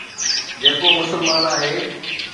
جيڪو مسلمان آهي.